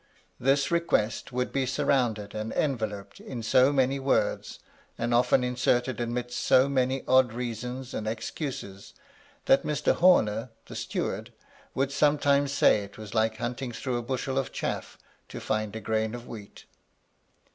This request would be surrounded and enveloped in so many words, and often inserted amidst so many odd reasons and ex cuses, that Mr. Homer (the steward) would sometimes sny it was like hunting through a bushel ofchaff to find a MY LADY LUDLOW. 77 grain of wheat.